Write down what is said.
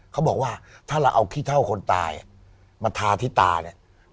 เขาบอกว่าถ้าเราเอาขี้เท่าคนตายมาทาที่ตาเนี่ย